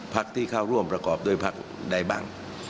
พักที่เข้าร่วมประกอบด้วยพักใดบ้าง